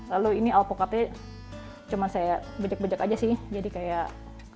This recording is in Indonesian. lalu ini alpukatnya cuman saya bijak bijak aja sih jadi kayak